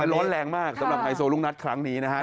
ร้อนแรงมากสำหรับไฮโซลูกนัดครั้งนี้นะครับ